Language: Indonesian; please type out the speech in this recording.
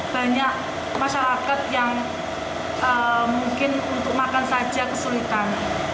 banyak masyarakat yang mungkin untuk makan saja kesulitan